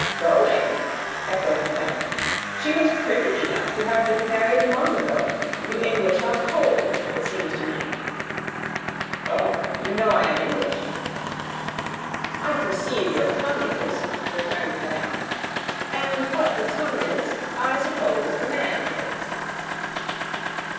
"Going?" echoed madame. "She was pretty enough to have been married long ago. You English are cold, it seems to me." "Oh! You know I am English." "I perceive your tongue is," returned madame; "and what the tongue is, I suppose the man is."